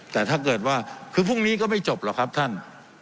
แต่ถ้าเกิดว่าคือพรุ่งนี้ก็ไม่จบหรอกครับท่าน